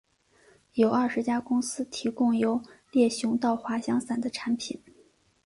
有二十家公司提供由猎熊到滑翔伞的产品。